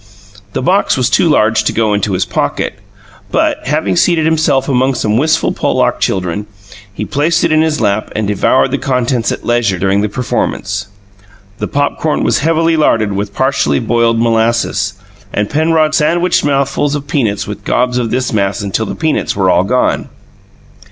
The box was too large to go into his pocket, but, having seated himself among some wistful Polack children, he placed it in his lap and devoured the contents at leisure during the performance. The popcorn was heavily larded with partially boiled molasses, and Penrod sandwiched mouthfuls of peanuts with gobs of this mass until the peanuts were all gone.